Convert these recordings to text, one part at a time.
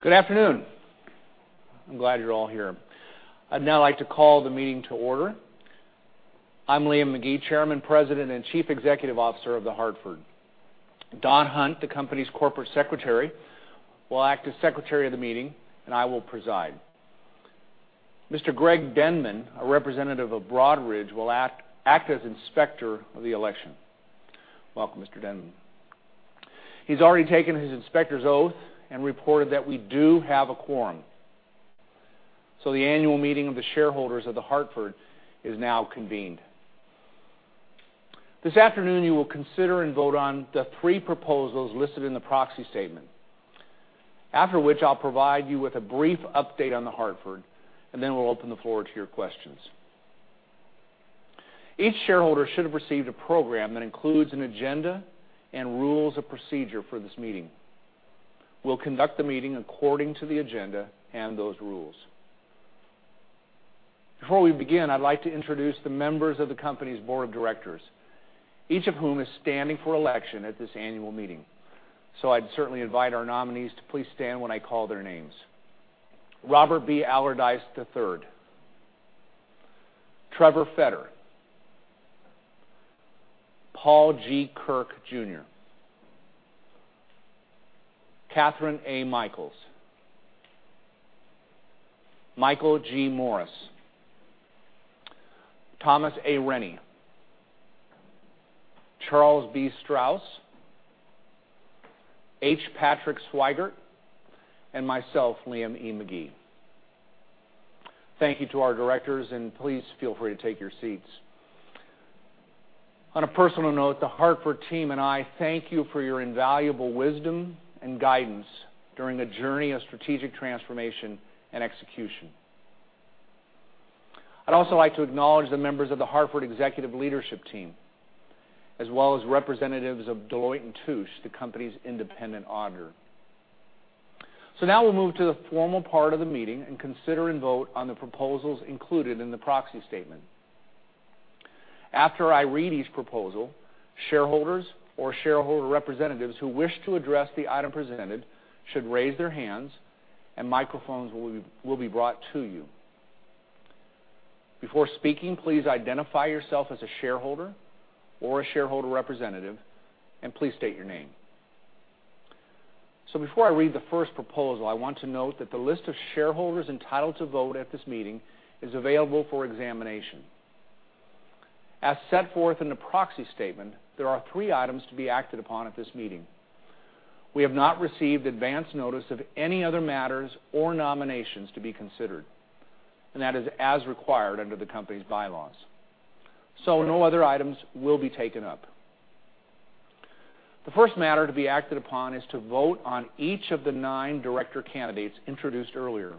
Good afternoon. I'm glad you're all here. I'd now like to call the meeting to order. I'm Liam McGee, Chairman, President, and Chief Executive Officer of The Hartford. Don Hunt, the company's corporate secretary, will act as secretary of the meeting, and I will preside. Mr. Greg Denman, a representative of Broadridge, will act as Inspector of Elections. Welcome, Mr. Denman. He's already taken his inspector's oath and reported that we do have a quorum. The annual meeting of the shareholders of The Hartford is now convened. This afternoon, you will consider and vote on the 3 proposals listed in the proxy statement. After which, I'll provide you with a brief update on The Hartford, and then we'll open the floor to your questions. Each shareholder should have received a program that includes an agenda and rules of procedure for this meeting. We'll conduct the meeting according to the agenda and those rules. Before we begin, I'd like to introduce the members of the company's board of directors, each of whom is standing for election at this annual meeting. I'd certainly invite our nominees to please stand when I call their names. Robert B. Allardice III, Trevor Fetter, Paul G. Kirk Jr., Kathryn A. Mikells, Michael G. Morris, Thomas A. Renyi, Charles B. Strauss, H. Patrick Swygert, and myself, Liam E. McGee. Thank you to our directors, and please feel free to take your seats. On a personal note, The Hartford team and I thank you for your invaluable wisdom and guidance during a journey of strategic transformation and execution. I'd also like to acknowledge the members of The Hartford executive leadership team, as well as representatives of Deloitte & Touche, the company's independent auditor. Now we'll move to the formal part of the meeting and consider and vote on the proposals included in the proxy statement. After I read each proposal, shareholders or shareholder representatives who wish to address the item presented should raise their hands, and microphones will be brought to you. Before speaking, please identify yourself as a shareholder or a shareholder representative, and please state your name. Before I read the first proposal, I want to note that the list of shareholders entitled to vote at this meeting is available for examination. As set forth in the proxy statement, there are 3 items to be acted upon at this meeting. We have not received advance notice of any other matters or nominations to be considered, and that is as required under the company's bylaws. No other items will be taken up. The first matter to be acted upon is to vote on each of the 9 director candidates introduced earlier,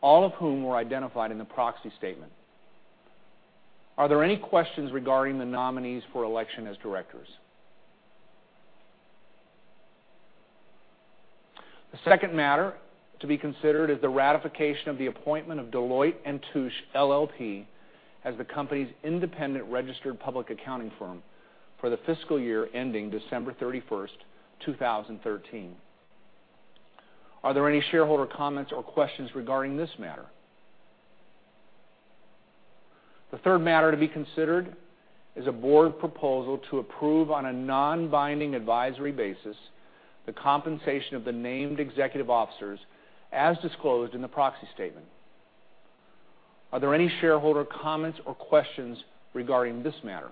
all of whom were identified in the proxy statement. Are there any questions regarding the nominees for election as directors? The second matter to be considered is the ratification of the appointment of Deloitte & Touche LLP as the company's independent registered public accounting firm for the fiscal year ending December 31, 2013. Are there any shareholder comments or questions regarding this matter? The third matter to be considered is a board proposal to approve on a non-binding advisory basis the compensation of the named executive officers as disclosed in the proxy statement. Are there any shareholder comments or questions regarding this matter?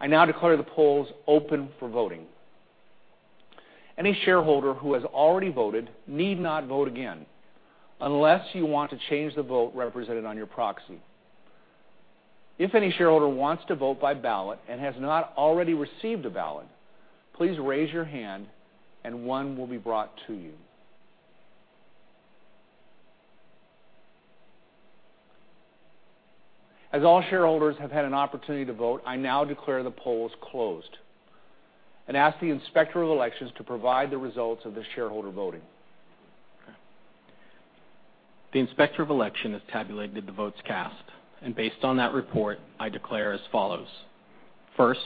I now declare the polls open for voting. Any shareholder who has already voted need not vote again unless you want to change the vote represented on your proxy. If any shareholder wants to vote by ballot and has not already received a ballot, please raise your hand and one will be brought to you. As all shareholders have had an opportunity to vote, I now declare the polls closed and ask the Inspector of Elections to provide the results of the shareholder voting. The Inspector of Elections has tabulated the votes cast, and based on that report, I declare as follows. First,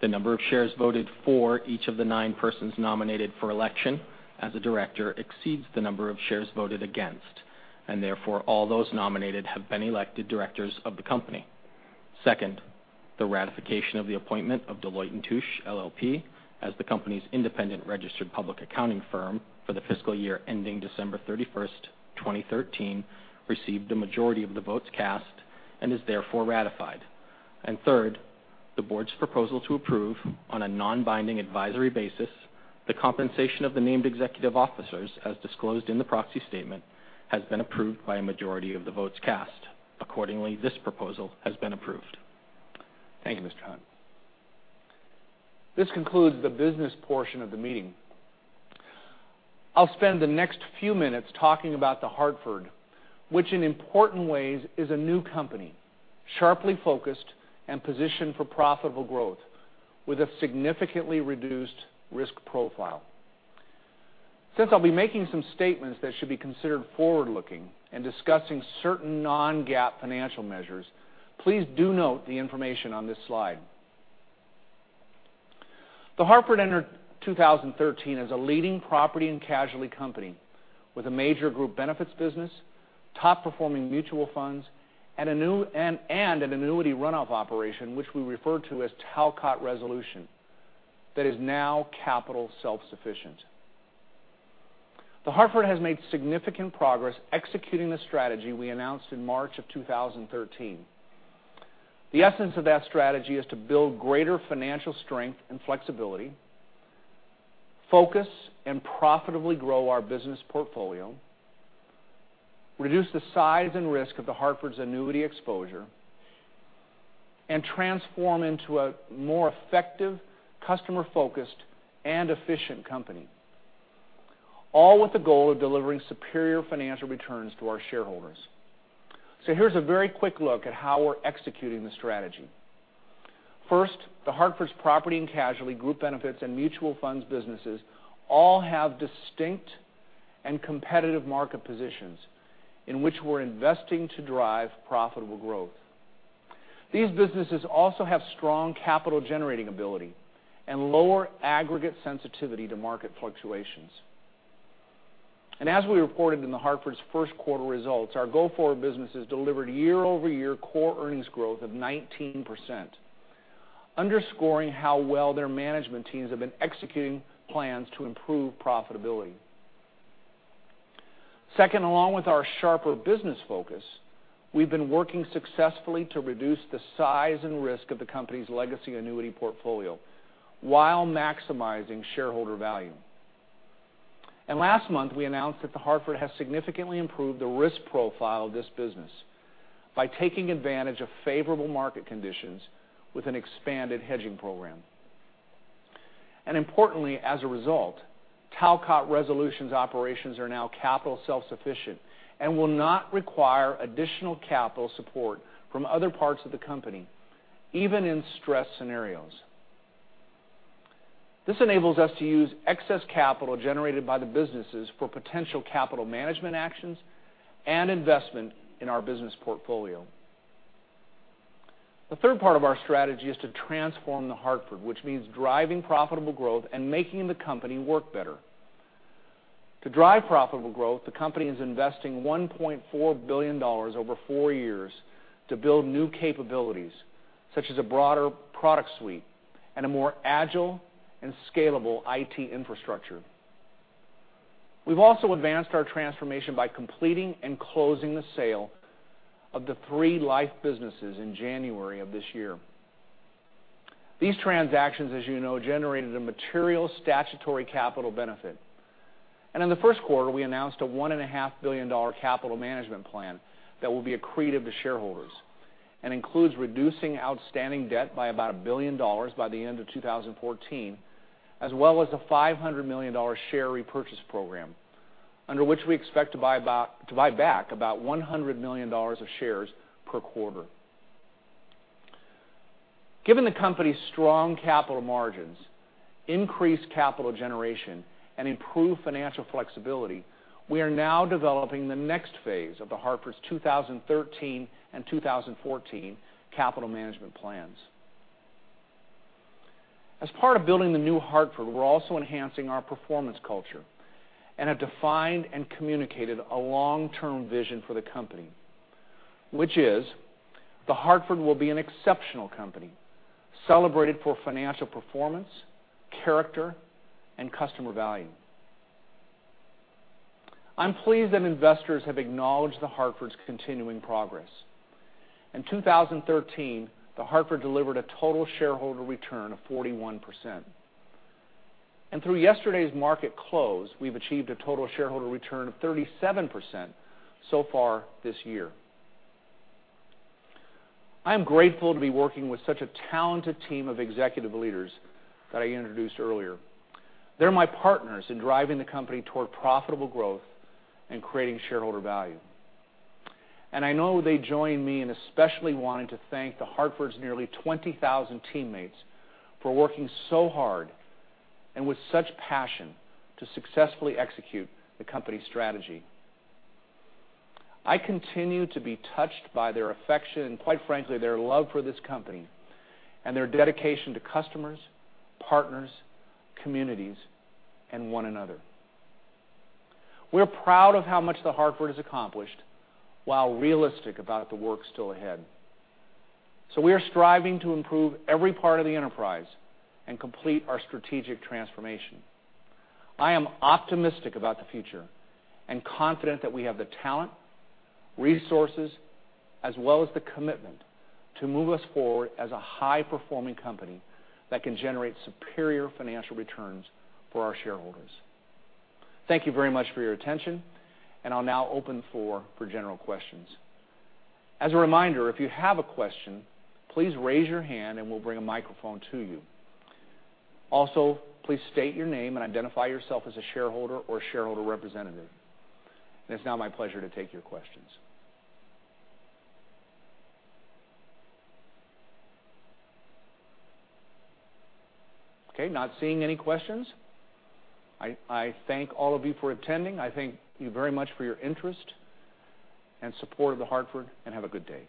the number of shares voted for each of the nine persons nominated for election as a director exceeds the number of shares voted against, and therefore, all those nominated have been elected directors of the company. Second, the ratification of the appointment of Deloitte & Touche LLP as the company's independent registered public accounting firm for the fiscal year ending December 31st, 2013, received a majority of the votes cast and is therefore ratified. Third, the board's proposal to approve on a non-binding advisory basis the compensation of the named executive officers as disclosed in the proxy statement has been approved by a majority of the votes cast. Accordingly, this proposal has been approved. Thank you, Mr. Hunt. This concludes the business portion of the meeting. I'll spend the next few minutes talking about The Hartford, which in important ways is a new company, sharply focused and positioned for profitable growth with a significantly reduced risk profile. Since I'll be making some statements that should be considered forward-looking and discussing certain non-GAAP financial measures, please do note the information on this slide. The Hartford entered 2013 as a leading property and casualty company with a major group benefits business, top performing mutual funds, and an annuity runoff operation, which we refer to as Talcott Resolution, that is now capital self-sufficient. The Hartford has made significant progress executing the strategy we announced in March of 2013. The essence of that strategy is to build greater financial strength and flexibility, focus and profitably grow our business portfolio, reduce the size and risk of The Hartford's annuity exposure, and transform into a more effective, customer-focused, and efficient company, all with the goal of delivering superior financial returns to our shareholders. Here's a very quick look at how we're executing the strategy. First, The Hartford's property and casualty group benefits and mutual funds businesses all have distinct and competitive market positions in which we're investing to drive profitable growth. These businesses also have strong capital generating ability and lower aggregate sensitivity to market fluctuations. As we reported in The Hartford's first quarter results, our go-forward businesses delivered year-over-year core earnings growth of 19%, underscoring how well their management teams have been executing plans to improve profitability. Second, along with our sharper business focus, we've been working successfully to reduce the size and risk of the company's legacy annuity portfolio while maximizing shareholder value. Last month, we announced that The Hartford has significantly improved the risk profile of this business by taking advantage of favorable market conditions with an expanded hedging program. Importantly, as a result, Talcott Resolution operations are now capital self-sufficient and will not require additional capital support from other parts of the company, even in stress scenarios. This enables us to use excess capital generated by the businesses for potential capital management actions and investment in our business portfolio. The third part of our strategy is to transform The Hartford, which means driving profitable growth and making the company work better. To drive profitable growth, the company is investing $1.4 billion over four years to build new capabilities, such as a broader product suite and a more agile and scalable IT infrastructure. We've also advanced our transformation by completing and closing the sale of the three life businesses in January of this year. These transactions, as you know, generated a material statutory capital benefit. In the first quarter, we announced a $1.5 billion capital management plan that will be accretive to shareholders and includes reducing outstanding debt by about $1 billion by the end of 2014, as well as a $500 million share repurchase program, under which we expect to buy back about $100 million of shares per quarter. Given the company's strong capital margins, increased capital generation, and improved financial flexibility, we are now developing the next phase of The Hartford's 2013 and 2014 capital management plans. As part of building The Hartford, we're also enhancing our performance culture and have defined and communicated a long-term vision for the company, which is The Hartford will be an exceptional company, celebrated for financial performance, character, and customer value. I'm pleased that investors have acknowledged The Hartford's continuing progress. In 2013, The Hartford delivered a total shareholder return of 41%. Through yesterday's market close, we've achieved a total shareholder return of 37% so far this year. I am grateful to be working with such a talented team of executive leaders that I introduced earlier. They're my partners in driving the company toward profitable growth and creating shareholder value. I know they join me in especially wanting to thank The Hartford's nearly 20,000 teammates for working so hard and with such passion to successfully execute the company strategy. I continue to be touched by their affection, and quite frankly, their love for this company and their dedication to customers, partners, communities, and one another. We're proud of how much The Hartford has accomplished while realistic about the work still ahead. We are striving to improve every part of the enterprise and complete our strategic transformation. I am optimistic about the future and confident that we have the talent, resources, as well as the commitment to move us forward as a high-performing company that can generate superior financial returns for our shareholders. Thank you very much for your attention, and I'll now open the floor for general questions. As a reminder, if you have a question, please raise your hand and we'll bring a microphone to you. Also, please state your name and identify yourself as a shareholder or shareholder representative. It's now my pleasure to take your questions. Okay, not seeing any questions. I thank all of you for attending. I thank you very much for your interest and support of The Hartford, and have a good day.